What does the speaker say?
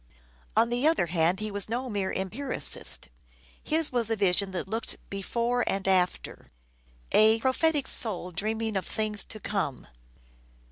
On the other hand he was no mere empiricist : his was a vision that " looked before and after," a " prophetic soul dreaming on things to come."